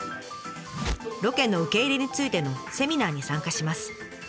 ロケの受け入れについてのセミナーに参加します。